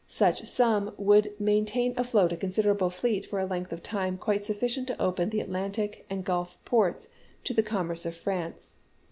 Such sum would maintain afloat a considerable fleet for a length of time quite sufficient to open the Atlantic and Gulf ports to the commerce of France."